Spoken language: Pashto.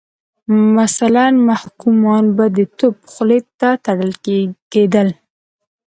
مثلا محکومان به د توپ خولې ته تړل کېدل.